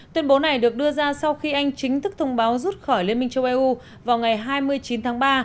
tuyên bố này được đưa ra sau khi anh chính thức thông báo rút khỏi liên minh châu eu vào ngày hai mươi chín tháng ba